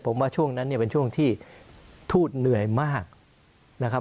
ผมว่าช่วงนั้นเนี่ยเป็นช่วงที่ทูตเหนื่อยมากนะครับ